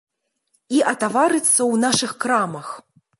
І атаварыцца ў нашых крамах.